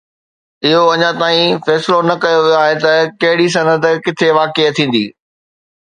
اهو اڃا تائين فيصلو نه ڪيو ويو آهي ته ڪهڙي صنعت ڪٿي واقع ٿيندي.